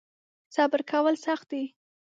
صبر کول سخت دی .